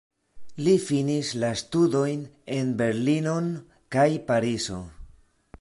Li finis la studojn en Berlinon kaj Parizo.